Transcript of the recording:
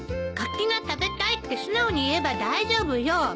柿が食べたいって素直に言えば大丈夫よ。